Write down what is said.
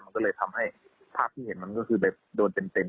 มันก็เลยทำให้ภาพที่เห็นมันก็คือแบบโดนเต็ม